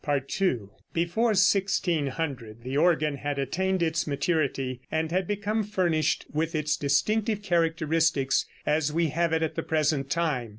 II. Before 1600 the organ had attained its maturity, and had become furnished with its distinctive characteristics as we have it at the present time.